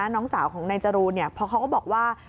น้องสาวของนายจรูนเพราะเขาก็บอกว่า